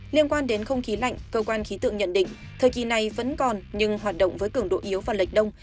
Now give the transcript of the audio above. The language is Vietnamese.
liên quan đến không khí lạnh cơ quan khí tượng nhận định thời kỳ này vẫn còn nhưng hoạt động với cường độ yếu và lệch đông